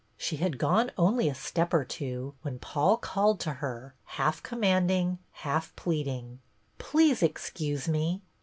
She had gone only a step or two when Paul called to her, half commanding, half pleading, —" Please excuse me."